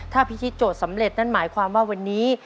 ถ้าพิธีโจทย์สำเร็จนั่นหมายความว่าวันนี้